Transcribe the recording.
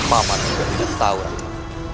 mama juga tidak tahu rakyat